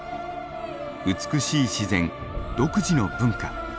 美しい自然独自の文化。